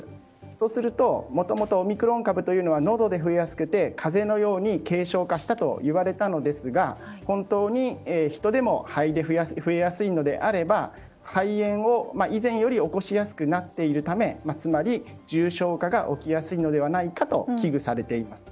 そうするともともとオミクロン株はのどで増えやすくて風邪のように軽症化したといわれているのですが本当に人でも肺で増えやすいのであれば肺炎を以前より起こしやすくなっているためつまり重症化が起こりやすいのではないかと危惧されています。